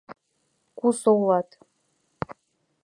— Кусо улат?